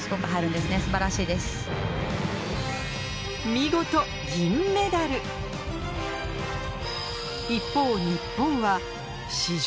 見事銀メダル一方日本は史上